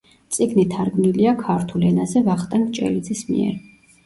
წიგნი თარგმნილია ქართულ ენაზე ვახტანგ ჭელიძის მიერ.